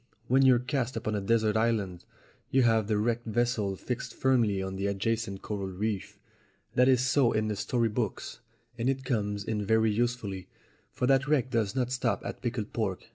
When you're cast upon a desert island you have the wrecked vessel fixed firmly on the adjacent coral reef. That is so in the story books, and it comes in very usefully, for that wreck does not stop at pickled pork.